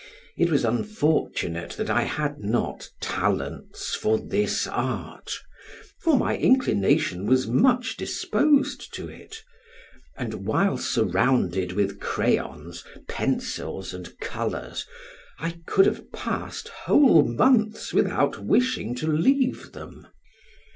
It was unfortunate that I had not talents for this art, for my inclination was much disposed to it, and while surrounded with crayons, pencils, and colors, I could have passed whole months without wishing to leave them.